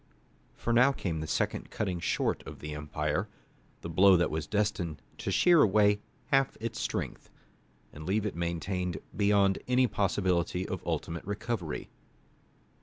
For now came the second cutting short of the empire, the blow that was destined to shear away half its strength, and leave it maimed beyond any possibility of ultimate recovery.